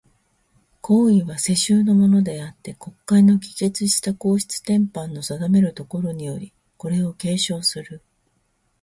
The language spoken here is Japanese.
皇位は、世襲のものであつて、国会の議決した皇室典範の定めるところにより、これを継承する。